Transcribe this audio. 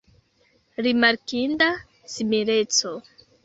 Rimarkinda simileco!